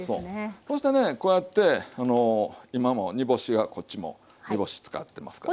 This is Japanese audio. こうしてねこうやって今も煮干しがこっちも煮干し使ってますから。